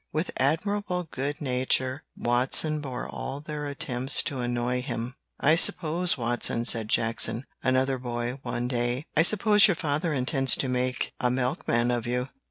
With admirable good nature Watson bore all their attempts to annoy him. "I suppose, Watson," said Jackson, another boy, one day, "I suppose your father intends to make a milkman of you?"